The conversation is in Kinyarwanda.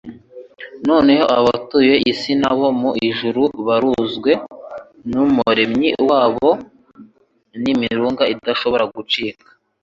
Noneho abatuye isi n'abo mu ijuru buruzwe n'Umuremyi wabo n'imirunga idashobora gucika.